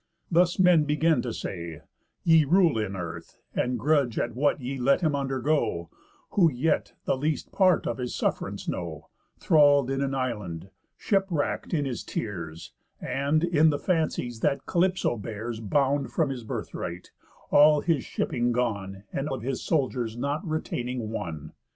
Thus men begin to say, ye rule in earth, And grudge at what ye let him undergo, Who yet the least part of his suff'rance know: Thrall'd in an island, shipwrack'd in his tears, And, in the fancies that Calypso bears, Bound from his birthright, all his shipping gone, And of his soldiers not retaining one.